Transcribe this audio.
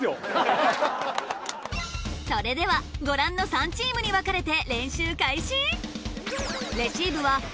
それではご覧の３チームに分かれて練習開始！